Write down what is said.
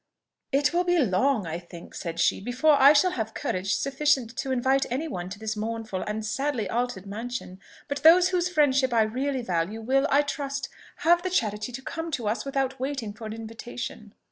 "It will be long, I think," said she, "before I shall have courage sufficient to invite any one to this mournful and sadly altered mansion: but those whose friendship I really value will, I trust, have the charity to come to us without waiting for an invitation."